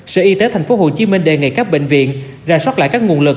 sở y tế tp hcm đề nghị các bệnh viện ra soát lại các nguồn lực